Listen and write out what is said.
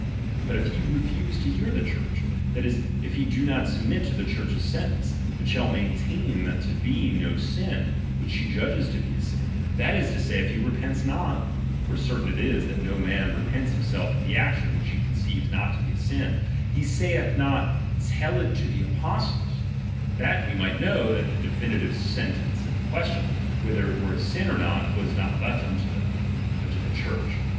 But if he refuse to hear the Church ; that is, if he do not submit to the Church's sentence, but shall maintain that to be no sin, which she judges to be a sin ; that is to say, if he repent not ; (for certain it is, that no man repents himself of the action which he conceives not to be a sin) ; he saith not, Tefl it to the apos tles ; that we might know that the definitive sen tence in the question, whether it were a sin or not, was not left unto them ; but to the Church.